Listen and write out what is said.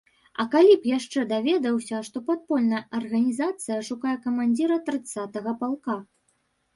А калі б яшчэ даведаўся, што падпольная арганізацыя шукае камандзіра трыццатага палка?